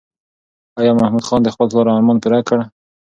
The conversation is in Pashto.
ایا محمود خان د خپل پلار ارمان پوره کړ؟